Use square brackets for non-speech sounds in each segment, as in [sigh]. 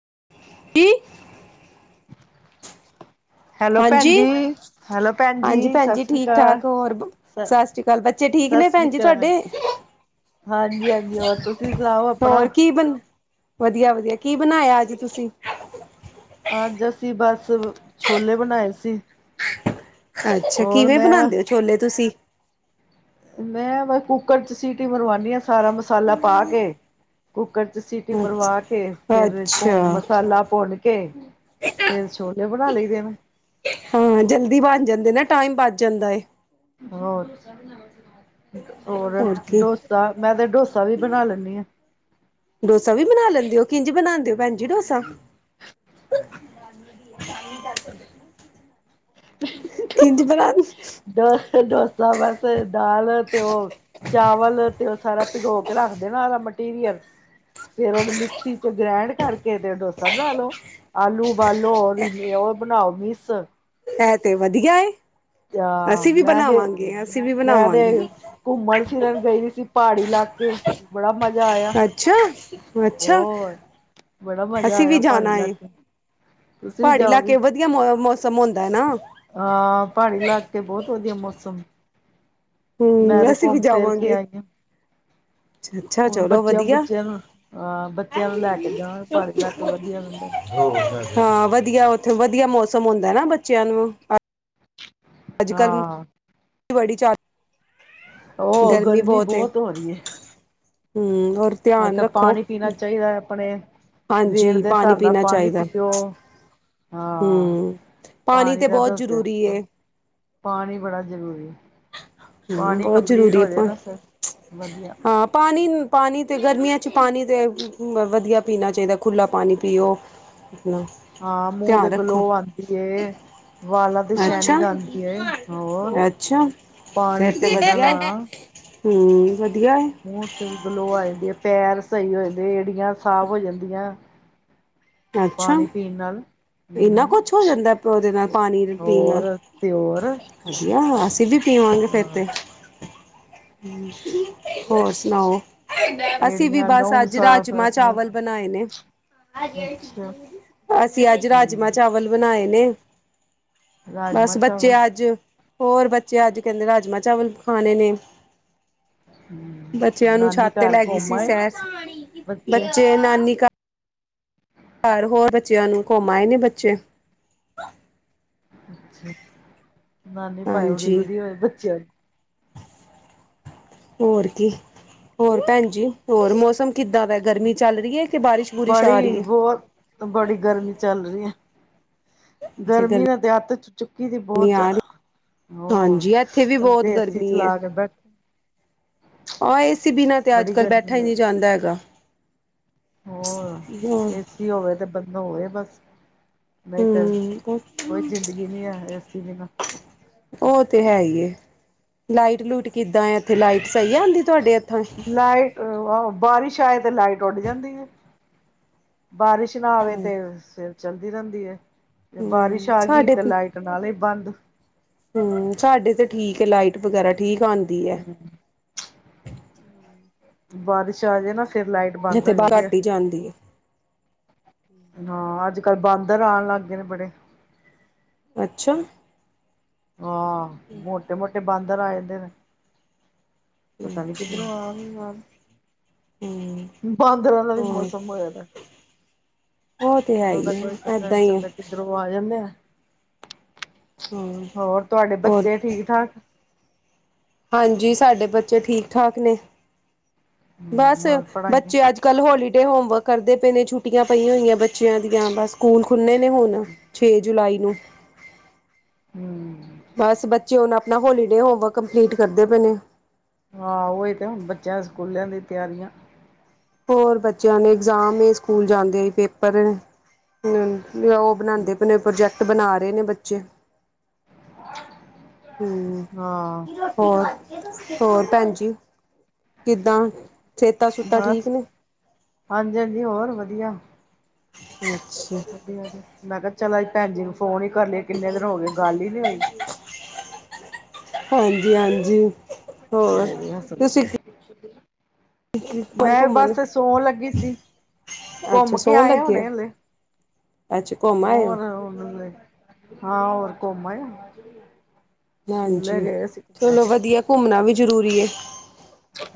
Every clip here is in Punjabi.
[inaudible] ਹੈਲੋ ਭੈਣ ਜੀ, ਹਾਂਜੀ- ਹੈਲੋ ਭੈਣ ਹਾਂਜੀ ਭੈਣ ਸਤਿ ਜੀ ਸ੍ਰੀ ਠੀਕ ਅਕਾਲ। ਠਾਕ ਹੋਰ ਸ ਸਤਿ ਸ੍ਰੀ ਅਕਾਲ ਬੱਚੇ ਠੀਕ ਸਤਿ ਨੇ ਸ੍ਰੀ ਭੈਣ ਜੀ ਅਕਾਲ, ਤੁਹਾਡੇ [inaudible] ਹਾਂਜੀ ਹਾਂਜੀ ਹੋਰ ਤੁਸੀਂ ਸੁਣਾਓ ਆਪਣਾ? ਹੋਰ ਕੀ ਬਣ ਵਧੀਆ- ਵਧੀਆ ਕੀ ਬਣਾਇਆ ਅੱਜ ਤੁਸੀਂ ਅੱਜ ਅਸੀਂ ਬਸ ਛੋਲੇ ਬਣਾਏ ਸੀ। ਅੱਛਾ ਹੋਰ ਕਿਵੇਂ ਮੈਂ ਬਣਾਉਂਦੇ ਹੋ ਛੋਲੇ ਤੁਸੀਂ ਮੈਂ ਕੁੱਕਰ 'ਚ ਸੀਟੀ ਮਰਵਾਣੀ ਆ ਸਾਰਾ ਮਸਾਲਾ ਪਾ ਕੇ ਕੁੱਕਰ 'ਚ ਸੀਟੀ ਮਰਵਾ ਕੇ ਅੱਛਾ ਫਿਰ ਭੁੰਨ ਅੱਛਾ ਮਸਾਲਾ ਭੁੰਨ ਕੇ ਫਿਰ ਛੋਲੇ ਬਣਾ ਲਈ ਦੇ ਨੇ। ਹਾਂ ਜਲਦੀ ਬਣ ਜਾਂਦੇ ਨਾ ਟਾਈਮ ਬੱਚ ਜਾਂਦਾ ਏ। ਹੋਰ ਹੋਰ ਡੋਸਾ ਮੈਂ ਤੇ ਡੋਸਾ ਵੀ ਬਣਾ ਲੈਂਦੀ ਆਂ। ਡੋਸਾ ਵੀ ਬਣਾ ਲੈਂਦੇ ਹੋ ਕਿੰਜ ਬਣਾਦੇ ਹੋ ਭੈਣ ਜੀ ਡੋਸਾ [inaudible] ਕਿੰਝ ਬਣਾ [inaudible] ਡੋਸਾ ਬਸ ਦਾਲ ਤੇ ਉਹ ਚਾਵਲ ਤੇ ਉਹ ਸਾਰਾ ਭਿਗੋ ਕੇ ਰੱਖਦੇ ਨਾ ਉਹਦਾ ਮਟੀਰੀਅਲ ਫੇਰ ਉਹਨੂੰ ਮਿਕਸੀ 'ਚ ਗ੍ਰੈਂਡ ਕਰਕੇ ਤੇ ਡੋਸਾ ਬਣਾ ਲੋ। ਆਲੂ ਉਬਾਲੋ ਉਹ -ਉਹ ਬਣਾਓ ਮਿਸ ਇਹ ਤੇ ਵਧੀਆ ਏ। ਆ ਅਸੀਂ ਵੀ ਮੈਂ ਇਹ ਬਣਾਵਾਂਗੇ ਅਸੀਂ ਵੀ ਮੈਂ ਤੇ ਬਣਾਵਾਂਗੇ ਘੁੰਮਣ ਫਿਰਨ ਗਈ ਸੀ ਪਹਾੜੀ ਲਾ ਕੇ ਬੜਾ ਮਜ਼ਾ ਆਇਆ ਅੱਛਾ ਅੱਛਾ ਹੋਰ ਬੜਾ ਮਜ਼ਾ ਅਸੀਂ ਆਇਆ ਵੀ ਪਹਾੜੀ ਜਾਣਾ ਏ ਇਲਾਕਿਆਂ ਪਹਾੜੀ ਇਲਾਕੇ ਵਧੀਆ ਮੌਸਮ ਹੁੰਦਾ ਹੈ ਨਾ। ਹਾਂ ਪਹਾੜੀ ਇਲਾਕੇ ਬਹੁਤ ਵਧੀਆ ਮੌਸਮ ਮੈਂ ਹੂੰ ਤੇ ਅਸੀਂ ਵੀ ਘੁੰਮ ਫਿਰ ਕੇ ਜਾਵਾਂਗੇ। ਆਈ ਹਾਂ। ਅੱਛਾ ਹੁਣ ਚਲੋ ਬੱਚਿਆਂ ਵਧੀਆ ਬੁੱਚਿਆਂ ਨੂੰ ਆਂ ਬੱਚਿਆਂ ਨੂੰ ਲੈ ਕੇ ਜਾਣਾਗੇ ਪਹਾੜੀ ਇਲਾਕੇ ਵਧੀਆ ਰਹਿੰਦਾ। ਹਾਂ ਵਧੀਆ ਉੱਥੇ ਵਧੀਆ ਮੌਸਮ ਹੁੰਦਾ ਨਾ ਬੱਚਿਆਂ ਨੂੰ ਅੱਜ ਕੱਲ੍ਹ ਹਾਂ ਬੜੀ ਚੱਲ ਉਹ ਗਰਮੀ ਬਹੁਤ ਹੋ ਰਹੀ ਹੈ। ਹੋਰ ਅੱਜ ਧਿਆਨ ਕੱਲ ਰੱਖੋ। ਪਾਣੀ ਪੀਣਾ ਚਾਹੀਦਾ ਆਪਣੇ ਹਾਂਜੀ ਰੇਟ ਦੇ ਪਾਣੀ ਹਿਸਾਬ ਨਾਲ ਪੀਣਾ ਪਾਣੀ ਚਾਹੀਦਾ ਪੀ ਜਓ। ਹਾਂ ਹਮ ਪਾਣੀ ਤੇ ਦਾ ਬਹੁਤ ਦੱਸਦੇ ਜ਼ਰੂਰੀ ਹੈ ਪਾਣੀ ਬੜਾ ਜਰੂਰੀ ਹਮ ਪਾਣੀ ਬਹੁਤ ਕੰਪਲੀਟ ਜ਼ਰੂਰੀ ਹੈ ਹੋ ਜਾ ਪਾ ਨਾ ਫਿਰ ਵਧੀਆ ਹਾਂ ਪਾਣੀ ਪਾਣੀ ਤਾਂ ਗਰਮੀਆਂ 'ਚ ਪਾਣੀ ਤਾਂ ਵਧੀਆ ਪੀਣਾ ਚਾਹੀਦਾ ਖੁੱਲ੍ਹਾ ਪਾਣੀ ਪੀਓ। ਆਪਣਾ ਹਾਂ ਮੂੰਹ ਤੇ ਧਿਆਨ ਗਲੋ ਰੱਖੋ ਆਉਂਦੀ ਵਾਲਾਂ ਤੇ ਅੱਛਾ ਸ਼ੈਨਿੰਗ ਆਉਂਦੀ ਏ ਹੋਰ -ਅੱਛਾ ਪਾਣੀ ਫਿਰ ਤੇ ਪੀਣ ਨਾਲ ਵਧੀਆ ਹਾਂ ਹੂੰ ਵਧੀ ਮੂੰਹ ਤੇ ਗਲੋ ਆ ਜਾਂਦੇ ਪੈਰ ਸਹੀ ਹੋ ਜਾਂਦੇ ਏੜੀਆਂ ਸਾਫ਼ ਹੋ ਜਾਂਦੀਆਂ। ਅੱਛਾ ਪਾਣੀ ਪੀਣ ਨਾਲ ਇੰਨਾ ਹਮ ਕੁਛ ਹੋ ਜਾਂਦਾ, ਉਹਦੇ ਨਾਲ ਪਾਣੀ ਪੀਣ ਹੋਰ ਨਾਲ ਤੇ ਹੋਰ ਵਧੀਆ। ਅਸੀਂ ਵੀ ਪੀਵਾਂਗੇ ਫਿਰ ਹਾਂ ਤੇ, ਹੋਰ ਸੁਣਾਓ? ਅਸੀਂ ਵੀ ਏੜੀਆਂ ਬਸ ਨਹੁੰ ਅੱਜ ਸਾਫ਼ ਰਾਜਮਾਂ ਨਹੁੰ ਚਾਵਲ ਬਣਾਏ ਨੇ, ਅੱਛਾ ਅਸੀਂ ਅੱਜ ਰਾਜਮਾਂ ਹਮ ਚਾਵਲ ਬਣਾਏ ਨੇ, ਰਾਜਮਾਂ ਬਸ ਬੱਚੇ ਚਾਵਲ ਅੱਜ ਹੋਰ ਬੱਚੇ ਅੱਜ ਕਹਿੰਦੇ ਰਾਜਮਾ, ਚਾਵਲ ਖਾਣੇ ਨੇ, ਹਮ ਬੱਚਿਆਂ ਨੂੰ ਨਾਨੀ ਛੱਤ ਤੇ ਘਰ ਲੈ ਗਈ ਘੁੰਮ ਸੀ, ਆਏ ਸੈਰ ਬੱਚੇ ਨਾਨੀ ਘਰ ਹੋਰ ਬੱਚਿਆਂ ਨੂੰ ਘੁੰਮਾਏ ਨੇ ਬੱਚੇ, ਅੱਛਾ, ਨਾਨੀ ਭਾਵੇਂ ਹਾਂਜੀ ਉਡੀਕਦੀ ਹੋਵੇ ਬੱਚਿਆਂ ਦੀ। ਹੋਰ ਕੀ ਹੋਰ ਭੈਣ ਜੀ, ਹੋਰ ਮੌਸਮ? ਕਿੱਦਾਂ ਦਾ ਗਰਮੀ ਚੱਲ ਰਹੀ ਹੈ, ਕਿ ਬਾਰਿਸ਼ ਬਾਰਿਸ਼ ਆ ਬੜੀ ਰਹੀ ਹੈ। ਬਹੁਤ ਬੜੀ ਗਰਮੀ ਚੱਲ ਰਹੀ ਹੈ ਗਰਮੀ ਨਾਲ ਦਿਹਾਤ ਚ ਚੁੱਕੀ ਸੀ ਬਹੁਤ ਆ ਜ਼ਿਆਦਾ ਰਹੀ ਹੋਰ ਹਾਂਜੀ ਇੱਥੇ ਵੀ ਅਸੀਂ ਬਹੁਤ ਤੇ ਏਸੀ ਚਲਾ ਕੇ ਬੈਠੇ, ਹਾਂ ਏਸੀ ਬਿਨਾਂ ਤੇ ਬੜੀ ਅੱਜ-ਕੱਲ੍ਹ ਬੈਠਾ ਗਰਮੀ ਹੀ ਹੋਈ ਨਹੀਂ ਜਾਂਦਾ ਹੈਗਾ। ਹੋਰ ਹਮ ਏਸੀ ਹੋਵੇ ਤੇ ਬੰਦਾ ਹੋਵੇ ਬਸ ਨਹੀਂ ਤੇ ਕੋਈ ਜ਼ਿੰਦਗੀ ਨਹੀਂ ਹੈ, ਐਸੀ ਦੀ ਨਾਲ ਉਹ ਤੇ ਹੈ ਹੀ ਲਾਈਟ ਲੂਟ ਕਿੱਦਾਂ, ਇੱਥੇ ਲਾਈਟ ਸਹੀ ਆ ਹੁੰਦੀ ਤੁਹਾਡੇ? ਇੱਥਾਂ ਲਾਈਟ ਆਹ ਬਾਰਿਸ਼ ਆਏ, ਤੇ ਲਾਈਟ ਉੱਡ ਜਾਂਦੀ ਹੈ। ਬਾਰਿਸ਼ ਨਾ ਆਵੇ, ਹਮ ਤੇ ਸਿਰ ਚੱਲਦੀ ਰਹਿੰਦੀ ਹੈ ਤੇ ਬਾਰਿਸ਼ ਆ ਗਈ ਤੇ ਲਾਈਟ ਨਾ ਬੰਦ ਹੂਸ਼ ਸਾਡੇ ਤੇ ਠੀਕ ਹੈ ਲਾਈਟ ਵਗੈਰਾ ਠੀਕ ਆਦੀ ਐ। ਹਮ ਬਾਰਿਸ਼ ਆਜੇ ਨਾ, ਫਿਰ ਲਾਈਟ ਬੰਦ ਜਿੱਥੇ ਹੋ ਬਾਹਰ ਜਾਂਦੀ ਹੈ ਘਟੀ ਜਾਂਦੀ ਏ। ਹਾਂ ਅੱਜ-ਕੱਲ੍ਹ ਬਾਂਦਰ ਆਉਣ ਲੱਗ ਗਏ ਨੇ ਬੜੇ, ਅੱਛਾ, ਹਾਂ ਮੋਟੇ-ਮੋਟੇ ਬਾਂਦਰ ਆ ਜਾਂਦੇ ਨੇ, ਪਤਾ ਨੀ ਕਿਧਰੋਂ ਆ ਵੀ ਆ। ਹਮ ਬਾਂਦਰਾਂ ਦਾ ਵੀ ਹੋਰ ਮੌਸਮ ਹੋਇਆ ਤਾਂ, ਉਹ ਤੇ ਹੈ ਉਹਨਾਂ ਦਾ ਹੀ ਕੋਈ ਹੈ ਪਤਾ ਏਦਾਂ ਨੀ ਹੀ ਹੈ ਚੱਲਦਾ, ਕਿੱਧਰੋਂ ਆ ਜਾਂਦੇ ਆ। ਹਾਂ ਹੋਰ ਤੁਹਾਡੇ ਹੋਰ ਬੱਚੇ ਠੀਕ-ਠਾਕ, ਹਾਂਜੀ, ਸਾਡੇ ਬੱਚੇ ਠੀਕ-ਠਾਕ ਨੇ? ਹਮ ਬਸ ਹੋਰ ਪੜ੍ਹਾਈਆਂ ਬੱਚੇ ਅੱਜ-ਕੱਲ੍ਹ ਹੋਲੀਡੇ ਹੋਮਵਰਕ ਕਰਦੇ ਪਏ, ਨੇ ਛੁੱਟੀਆਂ ਪਈਆਂ ਹੋਈਆਂ। ਬੱਚਿਆਂ ਦੀਆਂ ਬਸ ਸਕੂਲ ਖੁੱਲ੍ਹੇ ਨੇ ਹੁਣ ਛੇ ਜੁਲਾਈ ਨੂੰ ਹਮ ਬਸ ਬੱਚੇ ਹੁਣ, ਆਪਣਾ ਹੋਲੀਡੇ ਹੋਮਵਰਕ ਕੰਪਲੀਟ ਕਰਦੇ ਪਏ ਨੇ ਹਾਂ ਹੀ ਤੇ ਹੁਣ ਬੱਚਿਆਂ ਸਕੂਲਿਆਂ ਦੀ ਤਿਆਰੀਆਂ, ਹੋਰ ਬੱਚਿਆਂ ਨੇ ਇਗਜ਼ਾਮ ਸਕੂਲ ਜਾਂਦੇ ਸੀਏ ਪੇਪਰ, ਹੂੰ, ਉਹ ਬਣਾਉਦੇ ਪਣੇ ਪ੍ਰੋਜੈਕਟ ਬਣਾ ਰਹੇ ਨੇ ਬੱਚੇ ਹ ਹੂੰ ਹੋਰ-ਹੋਰ ਭੈਣ ਜੀ, ਕਿੱਦਾਂ ਸੇਤਾਂ ਸੁੂਤਾ ਠੀਕ ਨੇ, ਹਾਂਜੀ-ਹਾਂਜੀ, ਹੋਰ ਵਧੀਆ। ਹਾਂ, ਵਧੀਆ-ਵਧੀਆ, ਮੈਂ ਕਿਹਾ ਚੱਲ ਭੈਣ ਜੀ ਨੂੰ ਫੋਨ ਹੀ ਕਰ ਲਏ ਕਿੰਨੇ ਦਿਨ ਹੋ ਗਏ, ਗੱਲ ਹੀ ਨੀ ਹੋਈ। ਹਾਂਜੀ-ਹਾਂਜੀ, ਉਹ ਘੁੰਮਣ ਮੈਂ ਘੁੰਮਣ ਬਸ ਸੌਣ ਲੱਗੀ ਸੀ। ਅੱਛਾ ਘੁੰਮ ਕੇ ਸੌਣ ਆਏ ਲੱਗੇ ਹੋੁਣੇ ਹੋ ਹਲੇ, ਅੱਛਾ ਘੁੰਮ ਆਇਓ, ਹੋਰ ਹਾਂ ਹੋਰ ਘੁੰਮਣ। ਸ਼ਿਮਲੇ ਹਾਂਜੀ ਗਏ ਸੀ ਚਲੋ ਵਧੀਆ ਘੁੰਮਣਾ ਵੀ ਜ਼ਰੂਰੀ ਹੈ।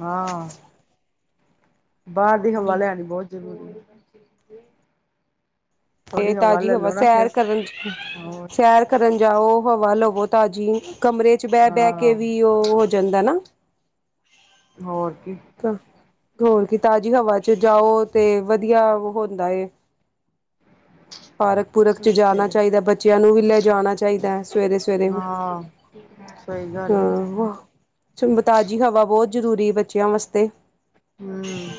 ਹਾਂ। ਬਾਹਰ ਦੀ ਹਵਾ ਲਿਆਣੀ ਬਹੁਤ ਜ਼ਰੂਰੀ ਹੈ ਤੇ ਥੋੜ੍ਹੀ ਤਾਜ਼ੀ ਲੈ ਹਵਾ ਲੋ ਨਾ ਫਿਰ ਸੈਰ ਕਰਨ ਚ ਹੋਰ ਸੈਰ ਕਰਨ ਜਾਓ। ਹਵਾ ਲਵੋ ਤਾਜ਼ੀ ਕਮਰੇ ਚ ਬਹਿ ਬਹਿ ਕੇ ਹਾਂ ਵੀ ਉਹ ਹੋ ਜਾਂਦਾ ਨਾ। ਹੋਰ ਕੀ, ਹੋਰ ਕੀ ਤਾਜ਼ੀ ਹਵਾ ਚ ਜਾਓ ਤੇ ਵਧੀਆ ਹੁੰਦਾ। ਪਾਰਕ ਪੂਰਕ ਚ ਜਾਣਾ ਚਾਹੀਦਾ ਬੱਚਿਆਂ ਨੂੰ ਵੀ ਲੈ ਜਾਣਾ ਚਾਹੀਦਾ ਸਵੇਰੇ ਸਵੇਰੇ। ਹਾਂ। ਸਹੀ ਗੱਲ ਏ, ਹਾਂ, ਤਾਜ਼ੀ ਹਵਾ ਬਹੁਤ ਜ਼ਰੂਰੀ ਬੱਚਿਆਂ ਵਾਸਤੇ। ਹੂੰ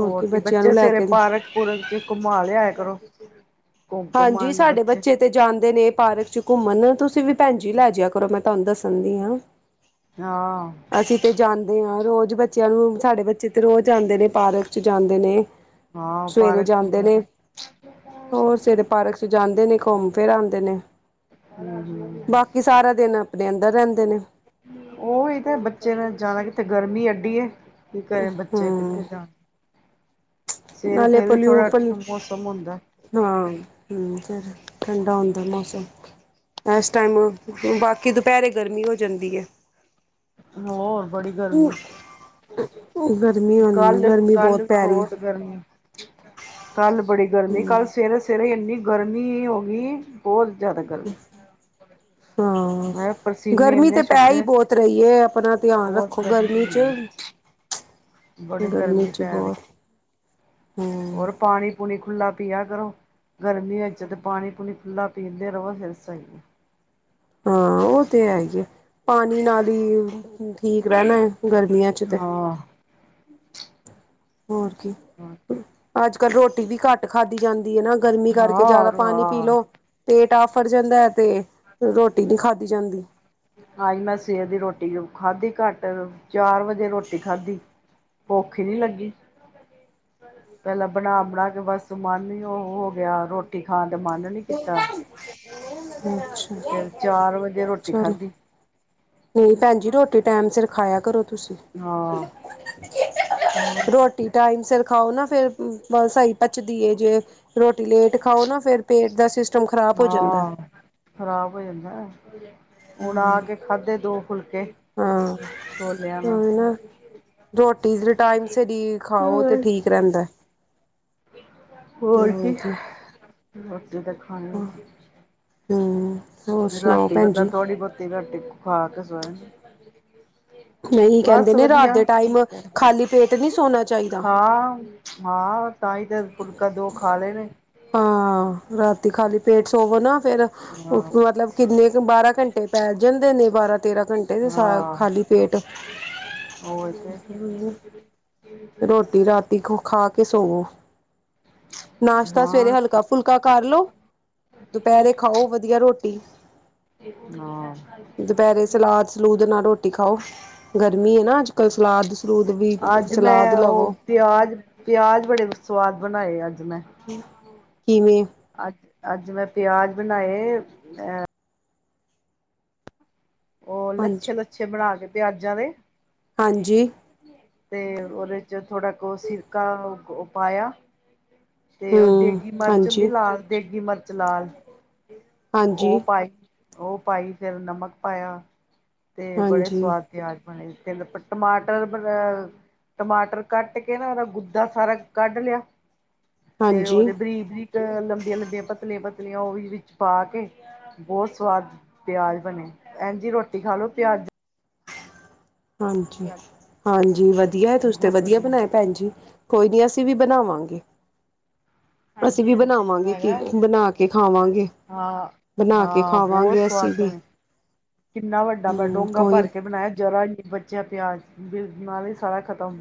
ਹੋਰ ਕੀ ਬੱਚਿਆਂ ਬੱਚੇ ਨੂੰ ਲੈ ਸਵੇਰੇ ਕੇ ਪਾਰਕ ਪੂਰਕ ਚ ਘੁਮਾ ਲਿਆਇ ਕਰੋ। ਘੁੰਮ ਘੁੰਮ ਹਾਂਜੀ ਆਣਗੇ ਸਾਡੇ ਬੱਚੇ ਤੇ ਜਾਂਦੇ ਨੇ ਪਾਰਕ ਚ ਘੁੰਮਣ ਤੁਸੀਂ ਵੀ ਭੈਣ ਜੀ ਲੈ ਜਿਆ ਕਰੋ ਮੈਂ ਤੁਹਾਨੂੰ ਦੱਸਣ ਦੀ ਹਾਂ, ਹਾਂ ਅਸੀਂ ਤੇ ਜਾਂਦੇ ਹਾਂ। ਰੋਜ਼ ਬੱਚਿਆਂ ਨੂੰ ਸਾਡੇ ਬੱਚੇ ਤੇ ਰੋਜ਼ ਆਉਂਦੇ ਨੇ ਪਾਰਕ ਚ ਜਾਂਦੇ ਨੇ। ਹਾਂ ਸਵੇਰੇ ਪਾਰਕ ਚ ਜਾਂਦੇ ਨੇ, ਜਾਣਾ ਹੋਰ ਸਵੇਰੇ ਪਾਰਕ ਚ ਜਾਂ ਹੂੰ ਹੂੰ ਆਪਣੇ ਅੰਦਰ ਰ ਉਹੀ ਤੇ ਬੱਚੇ ਨੇ ਜਾਣਾ ਕਿੱਥੇ ਗਰਮੀ ਐਡੀ ਆ। ਕੀ ਕਰੇ ਬੱਚੇ ਹਾਂ ਕਿੱਥੇ ਜਾਣ। ਸਵੇਰੇ ਨਾਲੇ ਫੇਰ [unintelligible] ਵੀ ਥੋੜਾ ਹਾਂ, ਮੌਸਮ ਹੁੰਦਾ। ਹੂੰ, ਫਿਰ ਠੰਡਾ ਹੁੰਦਾ ਮੌਸਮ ਇਸ ਟਾਈਮ ਬਾਕੀ ਦੁਪਹਿਰੇ ਗਰਮੀ ਹੋ ਜਾਂਦੀ ਹੈ। ਹੋਰ ਬੜੀ ਗਰਮੀ ਗਰਮੀ ਹੁੰਦੀ ਕੱਲ੍ਹ ਗਰਮੀ ਕੱਲ੍ਹ ਵੀ ਪੈ ਰਹੀ ਹੈ ਬਹੁਤ ਗਰਮੀ ਕੱਲ੍ਹ ਬੜੀ ਗਰਮੀ ਕੱਲ੍ਹ ਹਮ ਸਵੇਰੇ ਸਵੇਰੇ ਇੰਨੀ ਗਰਮੀ ਹੋ ਗਈ, ਬਹੁਤ ਜ਼ਿਆਦਾ ਗਰਮੀ ਹਾਂ ਮੈਂ ਪਸੀਨੇ ਗਰਮੀ ਤੇ ਇੰਨੇ ਪੈ ਹੀ ਛੁੱਟਦੇ ਬਹੁਤ ਰਹੀ ਹੈ ਆਪਣਾ ਧਿਆਨ ਰੱਖੋ ਗਰਮੀ ਚ। ਬੜੀ ਗਰਮੀ ਚ ਪੈ ਰਹੀ ਬਹੁਤ ਹਮ ਹੋਰ ਪਾਣੀ ਪੂਣੀ ਖੁੱਲ੍ਹਾ ਪੀਆ ਕਰੋ। ਗਰਮੀਆਂ ਵਿੱਚ ਤੇ ਪਾਣੀ ਪੂਣੀ ਖੁੱਲ੍ਹਾ ਪੀਂਦੇ ਰਵੋ ਫਿਰ ਸਹੀ। ਹਾਂ ਉਹ ਤੇ ਹੈ ਹੀ ਆ। ਪਾਣੀ ਨਾਲ ਹੀ ਠੀਕ ਰਹਿਣਾ ਹੈ ਗਰਮੀਆਂ ਚ ਤੇ। ਹਾਂ ਹੋਰ ਕੀ, ਅੱਜ ਕੱਲ੍ਹ ਰੋਟੀ ਵੀ ਘੱਟ ਖਾਧੀ ਜਾਂਦੀ ਨਾ ਗਰਮੀ ਕਰਕੇ ਹਾਂ ਜ਼ਿਆਦਾ ਪਾਣੀ ਪੀ ਹਾਂ ਲਓ ਪੇਟ ਆ ਫੜ ਜਾਂਦਾ ਹੈ ਤੇ ਰੋਟੀ ਨੀ ਖਾਂਦੀ ਜਾਂਦੀ। ਆਈ ਮੈਂ ਸਵੇਰ ਦੀ ਰੋਟੀ ਖਾਧੀ ਘੱਟ ਚਾਰ ਵਜੇ ਰੋਟੀ ਖਾਧੀ। ਭੁੱਖ ਨੀ ਲੱਗੀ, ਪਹਿਲਾਂ ਬਣਾ ਬਣਾ ਕੇ ਬਸ ਮਨ ਹੀ ਉਹ ਹੋ ਗਿਆ ਰੋਟੀ ਖਾਣ ਤੇ ਮਨ ਨੀ ਕੀਤਾ, ਫਿਰ ਚਾਰ ਵਜੇ ਰੋਟੀ ਚਲੋ ਖਾਧੀ। ਨਹੀਂ ਭੈਣਜੀ ਰੋਟੀ ਟੈਮ ਸਿਰ ਖਾਇਆ ਕਰੋ। ਤੁਸੀਂ ਹਾਂ। ਹੋਰ, ਰੋਟੀ ਟਾਈਮ ਸਿਰ ਖਾਓ ਨਾ ਫੇਰ ਸਹੀ ਭਚਦੀ ਏ ਜੇ। ਰੋਟੀ ਲੇਟ ਖਾਓ ਨਾ ਫੇਰ ਪੇਟ ਦਾ ਸ ਹਾਂ ਖਰਾਬ ਹੋ ਜਾਂਦਾ ਹੁਣ ਆ ਕੇ ਖਾਧੇ ਦੋ ਫੁਲਕੇ ਹਾਂ, ਛੋਲਿਆਂ ਆ ਨਾਲ ਨਾ ਰੋਟੀ ਟਾਈਮ ਸਿਰ ਹੀ ਖਾਓ ਤੇ ਹੋਰ ਠੀਕ ਰਹਿੰਦਾ। ਹੋਰ ਕੀ ਹੂੰ ਹੋ ਦੇਖਾ ਹੂੰ। ਰਾਤੀ ਬੰਦਾ ਥੋੜ੍ਹੀ ਬਹੁਤੀ ਰਾਟੀ ਖਾ ਕੇ ਸੋ ਨਹੀਂ ਬਸ ਕਹਿੰਦੇ ਨੇ ਰਾਤ ਵਧੀਆ ਦੇ ਟਾਈਮ ਖਾਲੀ ਪੇਟ ਨਹੀਂ ਸੋਣਾ ਚਾਹੀਦਾ ਖਾ ਹਾਂ ਤਾਂ ਹੀ ਤਾਂ ਫੁਲਕਾ ਦੋ ਖਾ ਲਏ ਨੇ ਹਾਂ ਰਾਤੀ ਖਾਲੀ ਪੇਟ ਸੋਵੋ ਨਾ ਫੇਰ ਹਾਂ ਮਤਲਬ ਕਿੰਨੇ ਕੁ ਬਾਰਾਂ ਘੰਟੇ ਪੈ ਜਾਂਣਦੇ ਨੇ ਬਾਰਾਂ ਤੇਰਾਂ ਘੰਟੇ ਤੇ ਹਾਂ ਖਾਲੀ ਪੇਟ ਉਹ ਤੇ ਰੋਟੀ ਰਾਤੀ ਖਾ ਕੇ ਸੋਵੋ ਨਾਸ਼ਤਾ ਸਵੇਰੇ ਹਾਂ ਹਲਕਾ ਫੁਲਕਾ ਕਰ ਲੋ ਦੁਪਹਿਰੇ ਖਾਓ ਵਧੀਆ ਰੋਟੀ ਹਾਂ [unintelligible] ਦੁਪਹਿਰੇ ਸਲਾਦ ਸਲੂਦ ਨਾਲ ਰੋਟੀ ਖਾਓ ਗਰਮੀ ਹੈ ਨਾ ਅੱਜਕੱਲ ਅੱਜ ਮੈਂ ਲਵੋ ਉਹ ਪਿਆਜ ਪਿਆਜ ਬੜੇ ਸਵਾਦ ਬਣਾਏ ਅੱਜ ਮੈਂ ਕਿਵੇਂ ਅੱਜ ਅੱਜ ਮੈਂ ਪਿਆਜ਼ ਬਣਾਏ ਉਹ ਹਾਂਜੀ ਲੱਛੇ ਲੱਛੇ ਬਣਾ ਕੇ ਪਿਆਜਾਂ ਦੇ ਹਾਂਜੀ ਤੇ ਉਹਦੇ 'ਚ ਥੋੜਾ ਕੁ ਸਿਰਕਾ ਪਾਇਆ ਤੇ ਉਹ ਹਮ ਦੇਗੀ ਮਿਰਚ ਹੁੰਦੀ ਹਾਂਜੀ ਲਾਲ ਦੇਗੀ ਮਿਰਚ ਲਾਲ ਹਾਂਜੀ। ਓਹ ਪਾਈ ਫਿਰ ਨਮਕ ਪਾਯਾ ਤੇ ਬੜੇ ਹਾਂਜੀ ਸਵਾਦ ਪਿਆਜ ਬਣੇ, ਤਿਲ ਪੱ ਟਮਾਟਰ ਬਰਹ ਟਮਾਟਰ ਕੱਟ ਕੇ ਨਾ ਉਦਾ ਗੁੱਦਾ ਸਾਰਾ ਕੱਢ ਲਿਆ। ਤੇ ਹਾਂਜੀ ਓਦੇ ਬਰੀਕ ਬਰੀਕ ਲੰਬੀਆਂ ਲੰਬੀਆਂ ਪਤਲੀਆਂ ਪਤ ਤੀਲੀਆਂ ਓਹ ਵੀ ਵਿੱਚ ਪਾ ਕੇ ਬੌਤ ਸਵਾਦ ਪਿਆਜ ਬਣੇ, ਐਨ ਜੀ ਰੋਟੀ ਖਾ ਲੋੋ ਪਿਆਜ ਹਾਂਜੀ ਹਾਂਜੀ, ਵਧੀਆ ਹੈ ਤੁਸੀ ਤੇ ਵਧੀਆ ਬਣਾਏ ਭੈਣ ਜੀ। ਕੋਈ ਨੀ ਅਸੀਂ ਵੀ ਬਣਾਵਾਂਗੇ। ਅਸੀਂ ਵੀ ਬਣਾਵਾਂਗੇ ਕਿ ਹੈਗਾ ਬਣਾ ਕੇ ਖਾਵਾਂਗੇ। ਹਾਂ ਬਣਾ ਕੇ ਹਾਂ, ਬੌਤ ਖਾਵਾਂਗੇ ਅਸੀਂ ਸਵਾਦ ਵੀ ਬਣੇ। ਕਿੰਨਾ ਵੱਡਾ ਮੈਂ ਹਮ ਡੋਂਗਾ ਕੋਈ ਭਰ ਕੇ ਬਣਾਯੈ। ਜਰਾ ਜੀ ਬੱਚਿਆ ਪਿਆਜ਼ ਬਿੱਲ ਨਾਲੇ ਸਾਰਾ ਖਤਮ।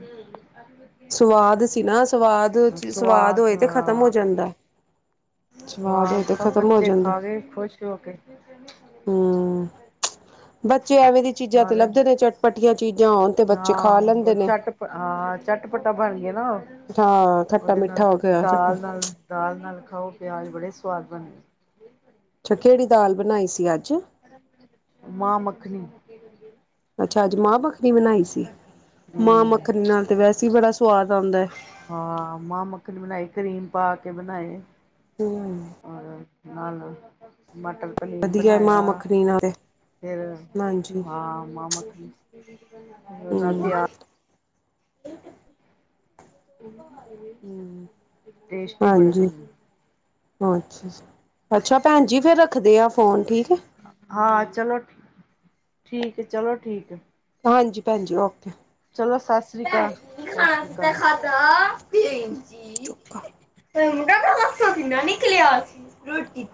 ਸਵਾਦ ਸੀ ਨਾ, ਸਵਾਦ ਸਵਾਦ ਹੋਏ ਤੇ ਖਤਮ ਹੋ ਜਾਂਦਾਏ ਸਵਾਦ ਸਭ ਬੱਚੇ ਖਾ ਗੇ ਖੁਸ਼ ਹੋ ਕੇ ਹਮ ਬੱਚੇ ਐਵੇਂ ਦੀ ਚੀਜ਼ਾਂ ਤੇ ਸਾਰੇ ਲੱਭਦੇ ਨੇ ਚਟਪਟ। ਹਾਂ, ਔ ਚੱਟ ਹਾਂ ਚੱਟਪੱਟਾ ਬਣ ਗੇਨਾ ਓਹ, ਹਾਂ ਖੱਟਾ ਓਦੇ ਨਾਲ ਮਿੱਠਾ ਹੋ ਗਿਆ ਖੱਟਾ ਦਾਲ ਨਾਲ ਦਾਲ ਨਾਲ ਖਾਓ ਪਿਆਜ਼ ਬੜੇ ਸਵਾਦ ਬਣਦੇ। ਅੱਛਾ, ਕੇੜੀ ਦਾਲ ਬਣਾਈ ਸੀ ਅੱਜ? ਮਾਂ ਮੱਖਣੀ ਅੱਛਾ, ਅੱਜ ਮਾਂ ਮੱਖਣੀ ਬਣਾਈ ਸੀ, ਮਾਂ ਹਮ ਮੱਖਣੀ ਨਾਲ ਤੇ ਵੈਸੇ ਈ ਬੜਾ ਸਵਾਦ ਆੰਦੈ। ਹਾਂ, ਮਾਂ ਮੱਖਣੀ ਬਣਾਈ ਕਰੀਮ ਪਾ ਕੇ ਬਣਾਏ। ਹਮ ਔਰ ਨਾਲ ਮਟਰ ਪਨੀਰ ਵਧੀਆ ਮਾਂ ਬਣਾਯਾ। ਮੱਖਣੀ ਨਾਲ ਤੇ ਫਿਰ ਹਾਂਜੀ ਹਾਂ, ਮਾਂ ਮੱਖਣੀ ਨਾਲ ਹਮ ਪਿਆਜ ਟੇਸਟੀ ਬੜੇ ਬਣੇ। ਅਛਾ ਜੀ, ਅੱਛਾ ਭੈਣ ਜੀ ਫੇਰ ਰੱਖਦੇ ਆ ਫੋਨ, ਠੀਕ। ਹੈ ਹਾਂ ਚਲੋ, ਠੀ ਠੀਕ ਏ ਚਲੋ ਠੀਕ ਏ। ਹਾਂਜੀ ਭੈਣਜੀ, ਓਕੇ। ਸਤਿ ਸ਼੍ਰੀ ਚੁਪ ਅਕਾਲ ਸਤਿ ਸ਼੍ਰੀ ਅਕਾਲ ਕਰ। ਤੇ ਮੁੰਡਾ [unintelligible] ਨਿਕਲਯਾ ਸੀ ਰੋਟੀ